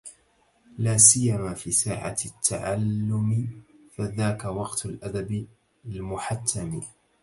لاسيما في ساعة التعلُمِ فذاك وقت الادب المُحَتَّمِ